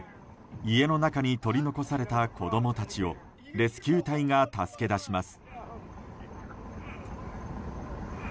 家の中に取り残された子供たちをレスキュー隊が助け出します。